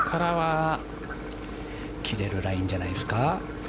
切れるラインじゃないですか。